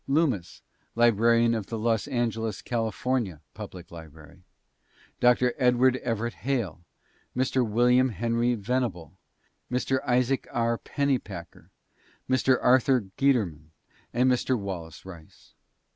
Lummis, librarian of the Los Angeles, California, Public Library; Dr. Edward Everett Hale, Mr. William Henry Venable, Mr. Isaac R. Pennypacker, Mr. Arthur Guiterman, and Mr. Wallace Rice.